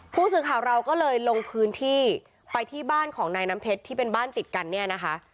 ผู้สื่อข่าวเราก็เลยลงพื้นที่ไปที่บ้านของนายน้ำเพชรที่เป็นบ้านติดกันเนี่ยนะคะ